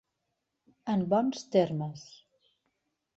En bons termes.